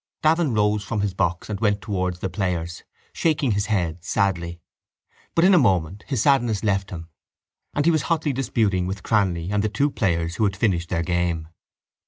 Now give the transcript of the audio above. Davin rose from his box and went towards the players, shaking his head sadly. But in a moment his sadness left him and he was hotly disputing with Cranly and the two players who had finished their game.